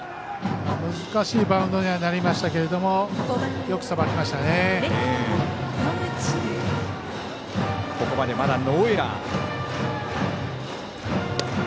難しいバウンドにはなりましたけどここまでまだノーエラー。